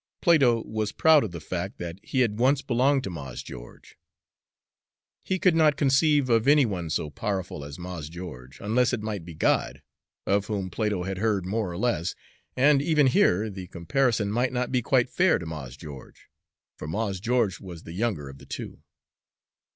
Plato was proud of the fact that he had once belonged to Mars Geo'ge. He could not conceive of any one so powerful as Mars Geo'ge, unless it might be God, of whom Plato had heard more or less, and even here the comparison might not be quite fair to Mars Geo'ge, for Mars Geo'ge was the younger of the two.